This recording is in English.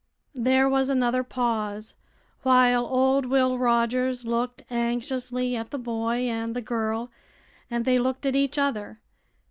There was another pause, while old Will Rogers looked anxiously at the boy and the girl, and they looked at each other.